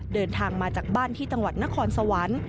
เดินทางมาจากบ้านที่จังหวัดนครสวรรค์